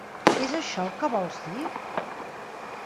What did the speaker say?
És això el que vols dir?